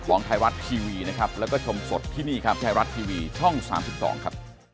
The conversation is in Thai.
ขอบคุณมากค่ะ